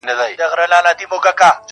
شمع هر څه ویني راز په زړه لري -